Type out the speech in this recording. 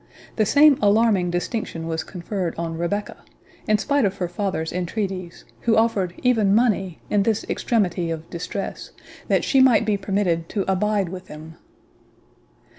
The same alarming distinction was conferred on Rebecca, in spite of her father's entreaties, who offered even money, in this extremity of distress, that she might be permitted to abide with him.